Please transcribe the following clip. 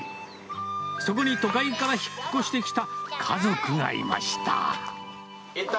そこに都会から引っ越してきた家族がいました。